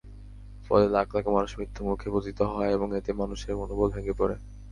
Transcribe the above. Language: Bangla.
ফলে লাখ লাখ মানুষ মৃত্যুমুখে পতিত হয় এবং এতে মানুষের মনোবল ভেঙ্গে পড়ে।